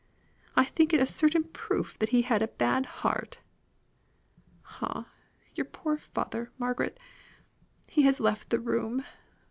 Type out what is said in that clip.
I think it a certain proof he had a bad heart. Ah! Your poor father, Margaret. He has left the room.